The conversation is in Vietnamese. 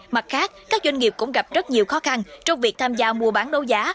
mặt khác các doanh nghiệp cũng gặp rất nhiều khó khăn trong việc tham gia mua bán đấu giá